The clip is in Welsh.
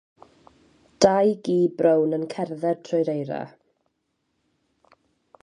Dau gi brown yn cerdded trwy'r eira.